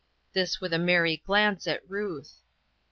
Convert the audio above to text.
This with a merry glance at Ruth.